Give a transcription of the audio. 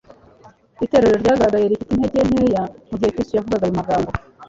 Itorero ryagaragaye rifite intege nkeya mu gihe Kristo yavugaga-ayo magambo.